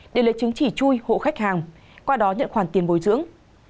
để lấy chứng chỉ chui hộ khách hàng qua đó nhận khoản tiền bồi dưỡng